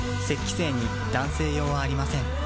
精に男性用はありません